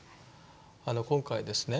今回ですね